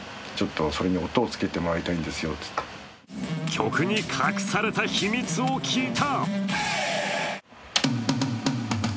曲に隠された秘密を聞いた。